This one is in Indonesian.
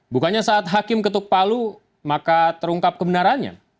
bukannya saat hakim ketuk palu maka terungkap kebenarannya